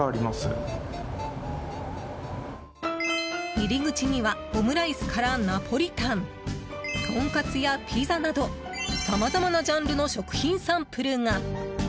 入り口にはオムライスからナポリタンとんかつやピザなどさまざまなジャンルの食品サンプルが。